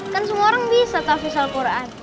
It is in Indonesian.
kan semua orang bisa tafis al quran